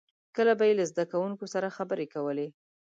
• کله به یې له زدهکوونکو سره خبرې کولې.